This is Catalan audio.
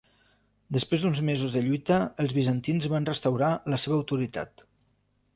Després d'uns mesos de lluita els bizantins van restaurar la seva autoritat.